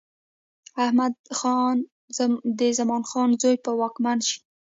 احمد خان د زمان خان زوی به واکمن شي.